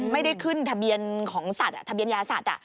ไม่ได้ขึ้นทะเบียนของสัตว์ทะเบียนยาสัตว์